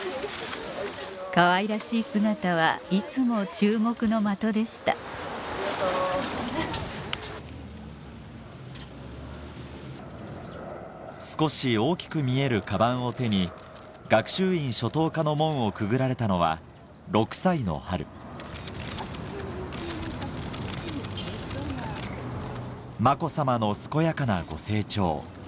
かわいらしい姿はいつも注目の的でした少し大きく見えるカバンを手に学習院初等科の門をくぐられたのは６歳の春子さまの健やかなご成長